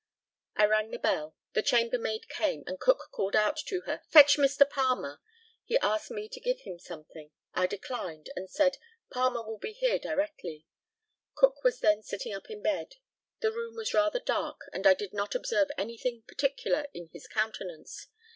I rang the bell. The chambermaid came, and Cook called out to her, "Fetch Mr. Palmer." He asked me to give him something; I declined, and said, "Palmer will be here directly." Cook was then sitting up in bed. The room was rather dark, and I did not observe anything particular in his countenance.